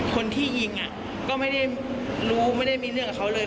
คนที่ยิงก็ไม่ได้รู้ไม่ได้มีเรื่องกับเขาเลย